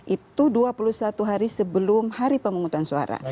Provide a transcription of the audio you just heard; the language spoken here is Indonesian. itu dua puluh satu hari sebelum hari pemungutan suara